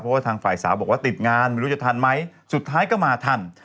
เพราะว่าทางฝ่ายสาวบอกว่าติดงานไม่รู้จะทันไหมสุดท้ายก็มาทัน